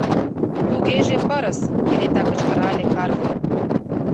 — Тугеже пырыс! — кенета кычкырале Карла.